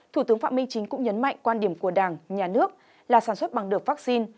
thủ tướng phạm minh chính cũng nhấn mạnh quan điểm của đảng nhà nước là sản xuất bằng được vaccine